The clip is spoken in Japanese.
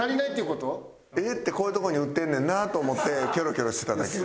絵ってこういうとこに売ってんねんなと思ってキョロキョロしてただけ。